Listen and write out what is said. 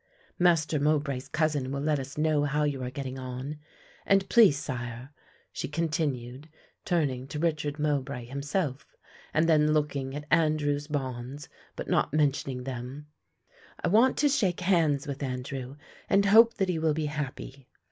Master Mowbray's cousin will let us know how you are getting on, and please, sire," she continued, turning to Richard Mowbray himself and then looking at Andrew's bonds but not mentioning them, "I want to shake hands with Andrew and hope that he will be happy."